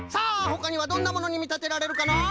ほかにはどんなものにみたてられるかなあ？